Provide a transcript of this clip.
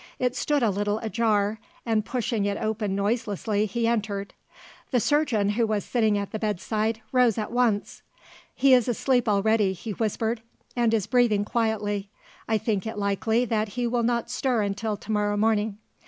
It stood a little ajar, and, pushing it open noiselessly, he entered. The surgeon, who was sitting at the bedside, rose at once. "He is asleep already," he whispered, "and is breathing quietly. I think it likely that he will not stir until tomorrow morning.